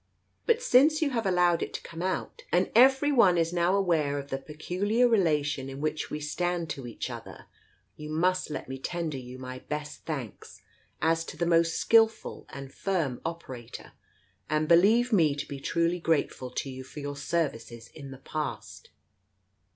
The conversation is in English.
But since you have allowed it to come out, and every one is now aware of the peculiar relation in which we stand to each other, you must let me tender you my best thanks, as to a most skilful and firm operator, and believe me to be truly grateful to you for your services in the past."